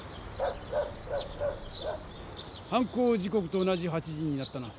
犯行時こくと同じ８時になったな。